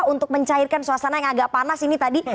untuk mencairkan suasana yang agak panas ini tadi